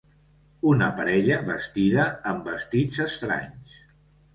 Una parella vestida amb vestits estranys.